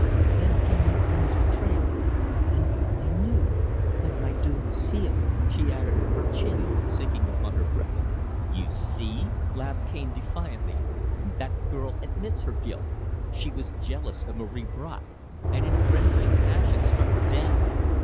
Then came that woman's betrayal, and I knew that my doom was sealed," she added, her chin sinking upon her breast. "You see," laughed Cane defiantly, "that the girl admits her guilt. She was jealous of Marie Bracq, and in a frenzy of passion struck her down.